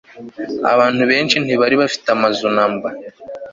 abantu benshi ntibari bafite amazu namba